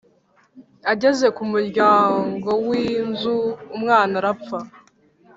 ageze ku muryango w’inzu umwana arapfa